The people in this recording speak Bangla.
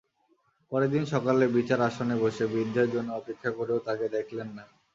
পরের দিন সকালে বিচার আসনে বসে বৃদ্ধের জন্যে অপেক্ষা করেও তাকে দেখলেন না!